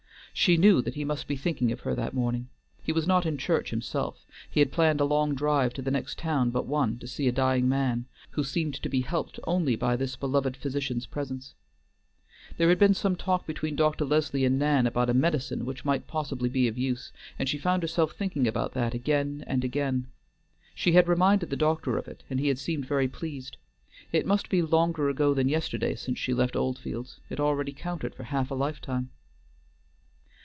She knew that he must be thinking of her that morning; he was not in church himself, he had planned a long drive to the next town but one, to see a dying man, who seemed to be helped only by this beloved physician's presence. There had been some talk between Dr. Leslie and Nan about a medicine which might possibly be of use, and she found herself thinking about that again and again. She had reminded the doctor of it and he had seemed very pleased. It must be longer ago than yesterday since she left Oldfields, it already counted for half a lifetime.